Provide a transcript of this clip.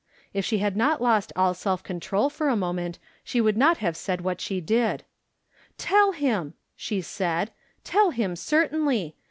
If she had not lost all self control for a moment she would not have said what she did. " Tell him," she said ;" tell him, certainly.